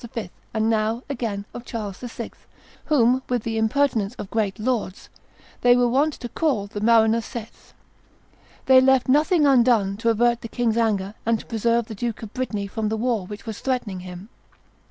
and now, again, of Charles VI., whom, with the impertinence of great lords, they were wont to call the marinosettes. They left nothing undone to avert the king's anger and to preserve the Duke of Brittany from the war which was threatening him.